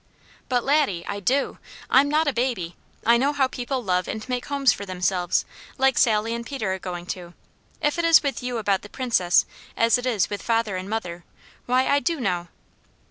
"But Laddie, I do! I'm not a baby! I know how people love and make homes for themselves, like Sally and Peter are going to. If it is with you about the Princess as it is with father and mother, why I do know."